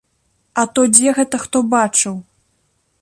А то дзе гэта хто бачыў!